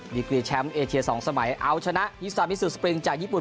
ดีกรีดแชมป์เอเทียสองสมัยเอาท์ชนะยี่สามยี่สุดสปริงจากญี่ปุ่น